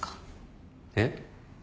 えっ？